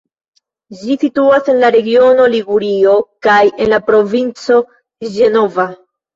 Ĝi situas en la regiono Ligurio kaj en la provinco Ĝenova.